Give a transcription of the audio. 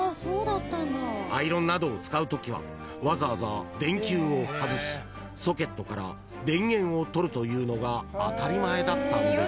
［アイロンなどを使うときはわざわざ電球を外しソケットから電源を取るというのが当たり前だったんです］